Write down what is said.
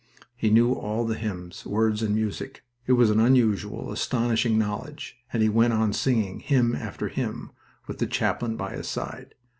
He knew all the hymns, words and music. It was an unusual, astonishing knowledge, and he went on singing, hymn after hymn, with the chaplain by his side.